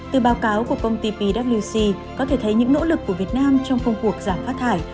từ báo cáo của công ty pwc có thể thấy những nỗ lực của việt nam trong công cuộc giảm phát thải